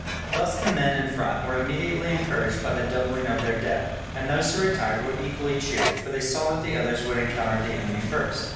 Thus the men in front were immediately encouraged by the doubling of their depth, and those who retired were equally cheered, for they saw that the others would encounter the enemy first.